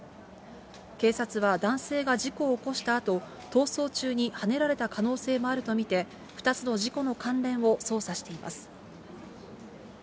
警察は男性が事故を起こしたあと、逃走中にはねられた可能性もあると見て、２つの事故の関連を捜査しています。